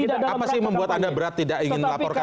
apa sih yang membuat anda berat tidak ingin melaporkan